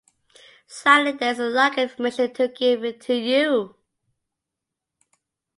Sadly there is a lack of information to give to you!